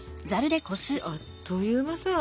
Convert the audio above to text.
あっという間さ！